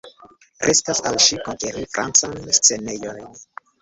Restas al ŝi konkeri Francan scenejon.